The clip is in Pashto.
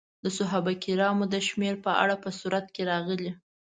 د صحابه کرامو د شمېر په اړه په سورت کې راغلي.